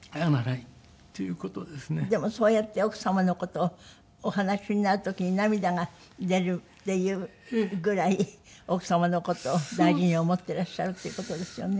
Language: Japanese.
でもそうやって奥様の事をお話しになる時に涙が出るっていうぐらい奥様の事を大事に思っていらっしゃるという事ですよね。